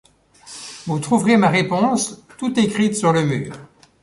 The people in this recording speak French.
Vous trouverez ma réponse tout écrite sur le mur.